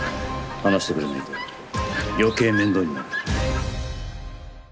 話してくれないと余計面倒になる。